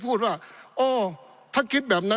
ปี๑เกณฑ์ทหารแสน๒